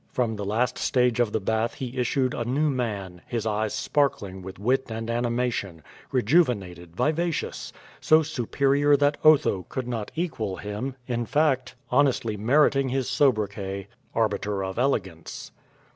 From the last stage of the bath he issued a new man^ his eyes sparkling with wit and animation, rejuvenated, vivacious; so superior that Otho could not equal him, in fact, honestly mer iting his sobriquet, arbiter of elegance.